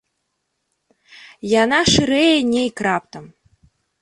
Яна шырэе нейк раптам.